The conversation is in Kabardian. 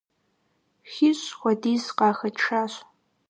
ХищӀ хуэдиз къахэтшащ.